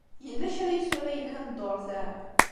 Yella kra n yisura yelhan dduṛt-a?